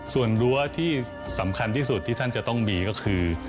ส่วนรั้วที่สำคัญที่สุดที่ท่านจะต้องมีก็คือ